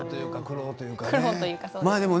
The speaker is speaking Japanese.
苦労というかね。